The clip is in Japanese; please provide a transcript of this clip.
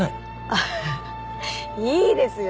ああいいですよ